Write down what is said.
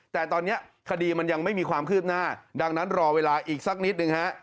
แต่ตอนนี้คดีมันยังไม่มีความคืบหน้าดังนั้นรอเวลาอีกสักนิดนึงฮะ